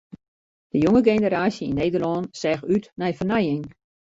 De jonge generaasje yn Nederlân seach út nei fernijing.